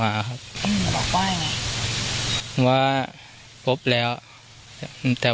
พี่โทรรานายเข้าพ่อมือมือ